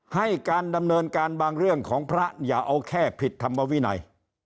ให้การดำเนินการบางเรื่องของพระอย่าเอาแค่ผิดธรรมวินัย